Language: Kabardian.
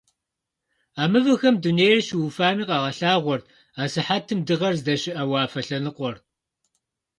А мывэхэм дунейр щыуфами къагъэлъагъуэрт асыхьэтым дыгъэр здэщыӀэ уафэ лъэныкъуэр.